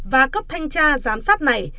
và cấp thanh tra giám sát này